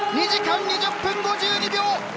２時間２０分５２秒！